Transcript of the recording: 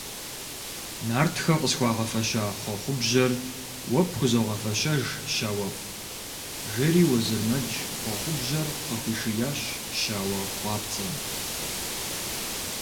Нартхэ къысхуагъэфэща хъуэхъубжьэр уэ пхузогъэфэщэж, щауэфӏ, – жери Уэзырмэдж хъуэхъубжьэр къыхуишиящ щауэ къуапцӏэм.